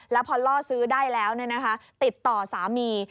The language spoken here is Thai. แล้วพอล่อซื้อได้แล้วติดต่อสามี